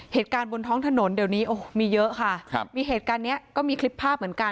เหตุการณ์บนท้องถนนเดี๋ยวนี้โอ้โหมีเยอะค่ะครับมีเหตุการณ์เนี้ยก็มีคลิปภาพเหมือนกัน